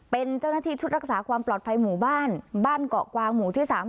เป็นเจ้าหน้าที่ชุดรักษาความปลอดภัยหมู่บ้านบ้านเกาะกวางหมู่ที่๓